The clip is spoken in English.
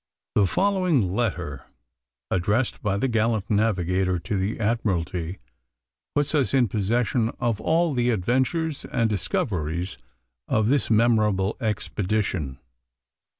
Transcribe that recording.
The following letter, addressed by the gallant Navigator to the Admiralty, puts us in possession of all the adventures and discoveries of this memorable expedition.